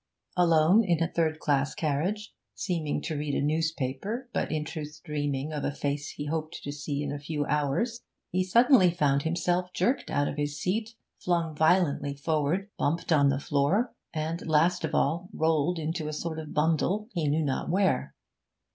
Alone in a third class carriage, seeming to read a newspaper, but in truth dreaming of a face he hoped to see in a few hours, he suddenly found himself jerked out of his seat, flung violently forward, bumped on the floor, and last of all rolled into a sort of bundle, he knew not where.